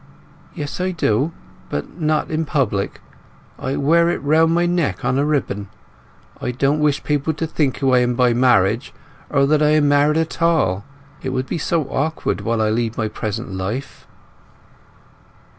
"Yes, I do; but not in public. I wear it round my neck on a ribbon. I don't wish people to think who I am by marriage, or that I am married at all; it would be so awkward while I lead my present life."